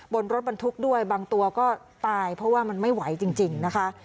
บนรถบรรทุกด้วยบางตัวก็ตายเพราะว่ามันไม่ไหวจริงนะคะ